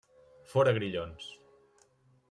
Fora Grillons!